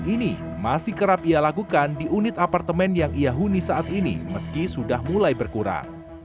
ini masih kerap ia lakukan di unit apartemen yang ia huni saat ini meski sudah mulai berkurang